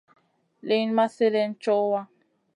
Liyn ma slèdeyn co wa.